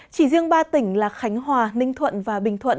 chỉ riêng ba tỉnh là khánh hòa ninh thuận và bình thuận